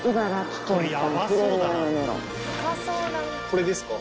これですか？